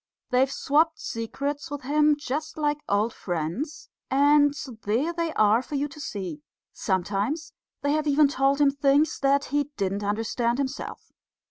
They've swopped secrets with him just like old friends; and there they are for you to see. Sometimes they have even told him things that he didn't understand himself.